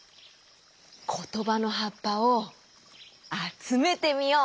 ことばのはっぱをあつめてみよう！